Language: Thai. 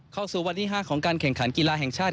เข้าสู่วันที่๕ของการแข่งขันกีฬาแห่งชาติ